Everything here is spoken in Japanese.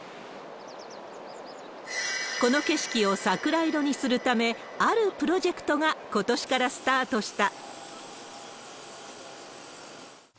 この景色を桜色にするため、あるプロジェクトが、ことしからスタートした。